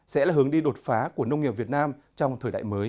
sẽ là hướng đi đột phá của nông nghiệp việt nam trong thời đại mới